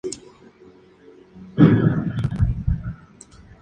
Nacida como Bethany Joy Lenz, es hija única.